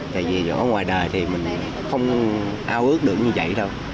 tại vì nhỏ ở ngoài đời thì mình không ao ước được như vậy đâu